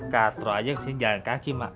katro saja ke sini jalan kaki mak